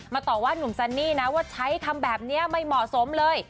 ต่อว่านุ่มซันนี่นะว่าใช้คำแบบนี้ไม่เหมาะสมเลย